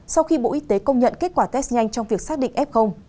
sau khi bộ y tế công nhận kết quả test nhanh trong việc xác định f